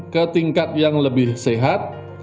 ke tingkat yang lebih sehat